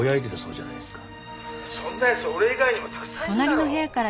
「そんな奴俺以外にもたくさんいるだろ！」